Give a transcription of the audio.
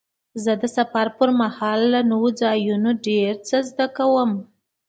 زه د سفر پر مهال له نوو ځایونو ډېر څه زده کوم.